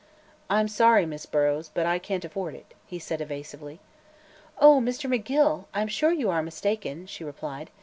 "I'm sorry, Miss Burrows, but I can't afford it," he said evasively. "Oh, Mr. McGill! I'm sure you are mistaken," she replied.